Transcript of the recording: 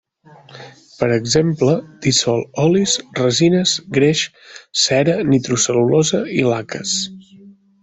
Per exemple, dissol olis, resines, greix, cera, nitrocel·lulosa i laques.